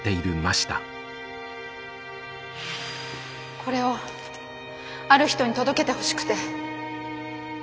これをある人に届けてほしくて。